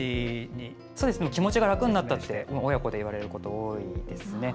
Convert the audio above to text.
気持ちが楽になったと親子で言われることが多いですね。